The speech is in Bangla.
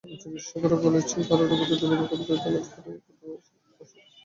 চিকিত্সকেরা বলেছেন, তাঁরা রোগীদের দুর্ভোগের কথা বিবেচনা করেই কঠোর কোনো কর্মসূচি দিচ্ছেন না।